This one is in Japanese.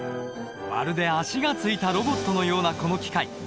まるで脚がついたロボットのようなこの機械。